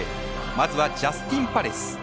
まずはジャスティンパレス。